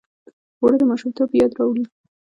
اوړه د ماشومتوب یاد راوړي